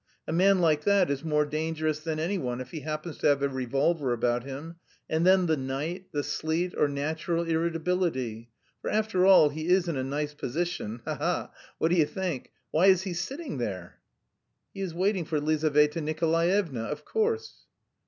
A man like that is more dangerous than anyone if he happens to have a revolver about him, and then the night, the sleet, or natural irritability for after all he is in a nice position, ha ha! What do you think? Why is he sitting there?" "He is waiting for Lizaveta Nikolaevna, of course."